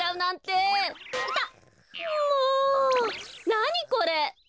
なにこれ！？